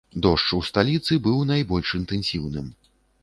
Дождж у сталіцы быў найбольш інтэнсіўным.